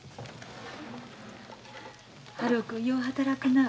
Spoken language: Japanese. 春男君よう働くな。